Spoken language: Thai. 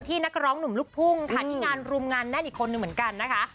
นักร้องหนุ่มลูกทุ่งค่ะที่งานรุมงานแน่นอีกคนนึงเหมือนกันนะคะ